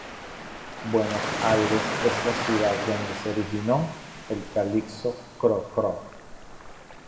Buenos Ayres es la ciudad donde se originó el calipso Cro Cro.